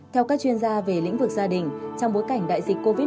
theo các chuyên gia về lĩnh vực gia đình trong bối cảnh đại dịch covid một mươi chín